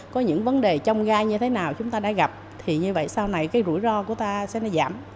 có những vấn đề trong gai như thế nào chúng ta đã gặp thì như vậy sau này cái rủi ro của ta sẽ nó giảm